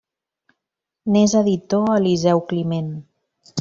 N'és editor Eliseu Climent.